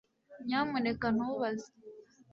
nyamuneka ntubaze